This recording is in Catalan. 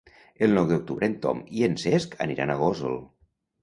El nou d'octubre en Tom i en Cesc aniran a Gósol.